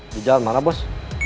di jalan mana bos